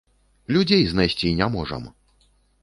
Людзей знайсці не можам!